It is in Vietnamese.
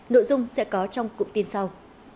nội dung sẽ có trong cụm tin sau